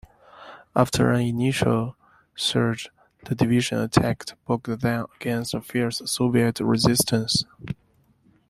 After an initial surge the division attack bogged down against fierce Soviet resistance.